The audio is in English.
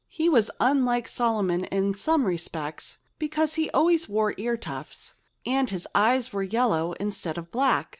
He was unlike Solomon in some respects, because he always wore ear tufts, and his eyes were yellow instead of black.